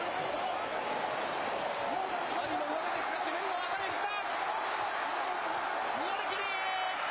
阿炎も上手ですが、攻めるのは熱海富士だ。